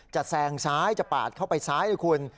แซงซ้ายจะปาดเข้าไปซ้ายนะคุณ